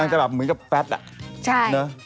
นางจะแบบเหมือนกับแฟสอะใช่